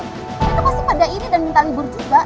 kita pasti pada ini dan minta libur juga